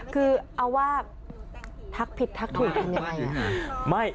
คือเอาว่าทักผิดท้องทำยังไง